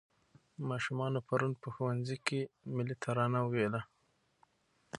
ماشومانو پرون په ښوونځي کې ملي ترانه وویله.